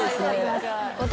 私。